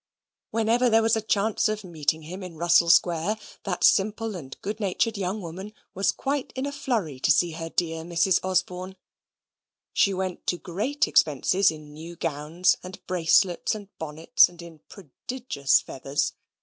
Whenever there was a chance of meeting him in Russell Square, that simple and good natured young woman was quite in a flurry to see her dear Misses Osborne. She went to great expenses in new gowns, and bracelets, and bonnets, and in prodigious feathers.